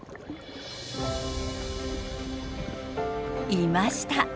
いました。